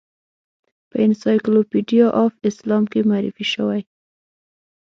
په انسایکلوپیډیا آف اسلام کې معرفي شوې.